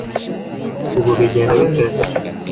Ubu bigenda bite